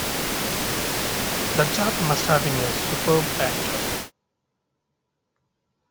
That chap must have been a superb actor.